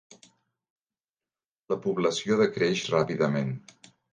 La població decreix ràpidament.